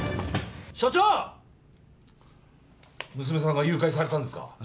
娘さんが誘拐されたんですか？